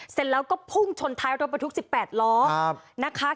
เสร็จแล้วพึ่งชนท้ายลบมาทุก๑๘ล้อ